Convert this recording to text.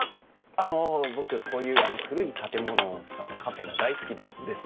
あの僕こういう古い建物を使ったカフェが大好きでですね。